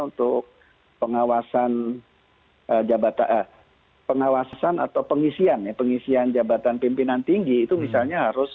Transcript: untuk pengawasan atau pengisian jabatan pimpinan tinggi itu misalnya harus